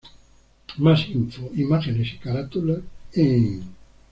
Más info, imágenes y carátulas en